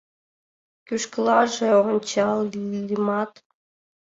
Кӱшкылаже ончальымат